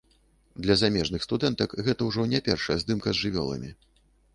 Для замежных студэнтак гэта ўжо не першая здымка з жывёламі.